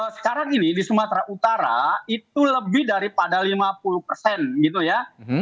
sekarang ini di sumatera utara itu lebih daripada lima puluh persen gitu ya